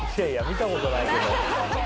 見たことないけど。